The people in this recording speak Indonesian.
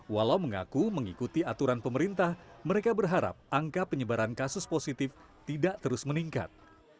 walau mengaku mengikuti aturan pemerintah mereka berharap angka penyebaran kasus positif tidak terus meningkat